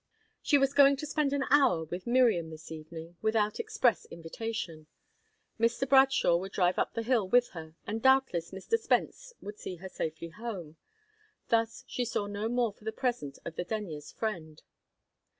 She was going to spend an hour with Miriam this evening, without express invitation. Mr. Bradshaw would drive up the hill with her, and doubtless Mr. Spence would see her safely home. Thus she saw no more for the present of the Denyers' friend.